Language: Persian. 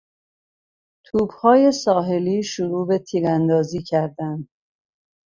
توپهای ساحلی شروع به تیراندازی کردند.